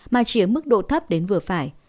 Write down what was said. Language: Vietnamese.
mà chỉ ở mức độ thấp đến vừa phải